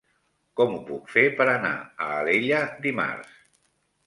Com ho puc fer per anar a Alella dimarts?